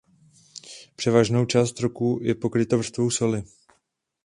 Převážnou část roku je pokryto vrstvou soli.